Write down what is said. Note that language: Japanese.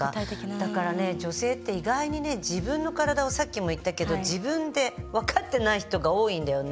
だから女性って意外に自分の体をさっきも言ったけど自分で分かってない人が多いんだよね。